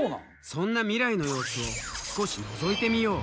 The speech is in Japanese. そんな未来の様子を少しのぞいてみよう。